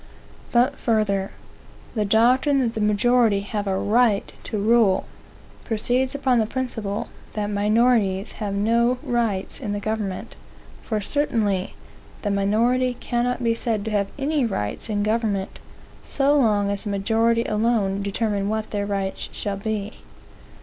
But further. The doctrine that the majority have a right to rule, proceeds upon the principle that minorities have no rights in the government; for certainly the minority cannot be said to have any rights in a government, so long as the majority alone determine what their rights shall be.